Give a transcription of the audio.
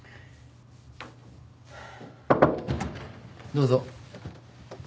どうぞ。